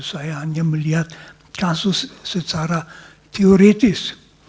saya hanya melihat kasus secara teoritis